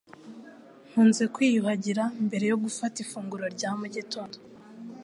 Nkunze kwiyuhagira mbere yo gufata ifunguro rya mu gitondo.